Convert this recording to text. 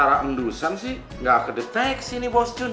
kira kira enggusan sih gak kedeteksi nih bos jul